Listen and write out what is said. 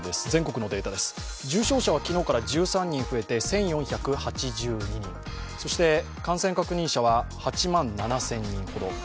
全国のデータです、重症者は昨日から１３人増えて、１４８２人、そして感染確認者は８万７０００人ほど。